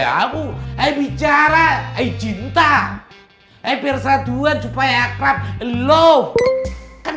saya berbicara tentang cinta dan persetuan agar dia bisa menjadikan kita lebih baik